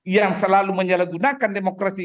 yang selalu menyalahgunakan demokrasi